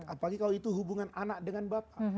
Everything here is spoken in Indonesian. apalagi kalau itu hubungan anak dengan bapak